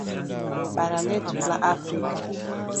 bara letu la Afrika